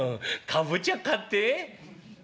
かぼちゃ買って」。